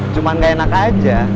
cuma nggak enak aja